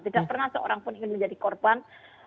tidak pernah seorang pun ingin menjadi korban